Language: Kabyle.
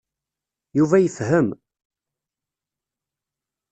Yuba yefhem.